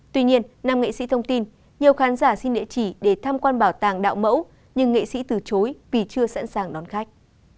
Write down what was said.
tuy nhiên năm nghệ sĩ thông tin nhiều khán giả xin địa chỉ để tham quan bảo tàng đạo mẫu nhưng nghệ sĩ từ chối vì chưa sẵn sàng đón khách